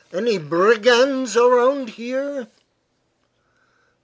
Any brigands around here?"